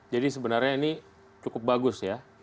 jadi sebenarnya ini cukup bagus ya